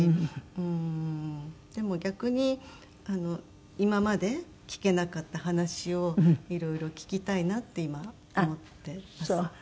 うんでも逆に今まで聞けなかった話をいろいろ聞きたいなって今思ってます。